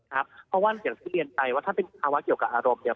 เพราะว่าอย่างที่เรียนไปว่าถ้าเป็นภาวะเกี่ยวกับอารมณ์เนี่ย